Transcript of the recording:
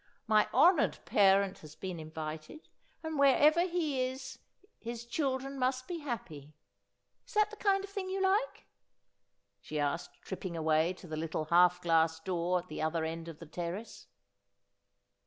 ' My honoured parent has been invited, and wherever he is his children must be happy. Is that the kind of thing you like ?' she asked trip ping away to the little half glass door at the other end of the terrace.